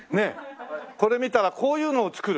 これ見たらこういうのを作る？